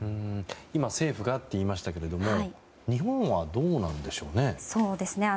今政府がって言いましたけども日本はどうなんでしょうね？